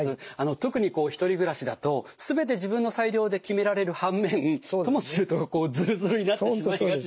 特に１人暮らしだと全て自分の裁量で決められる反面ともするとこうずるずるになってしまいがちなんですよね。